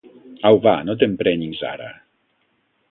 Au va, no t'emprenyis, ara.